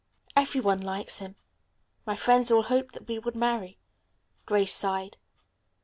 "Every one likes him. My friends all hoped that we would marry." Grace sighed.